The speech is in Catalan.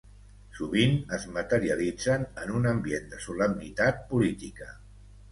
Sovint es materialitzen en un ambient de solemnitat política